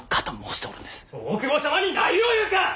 大久保様に何を言うか！